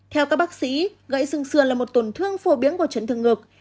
theo các bác sĩ gãy sừng sườn là một tổn thương phổ biến của trấn thương ngực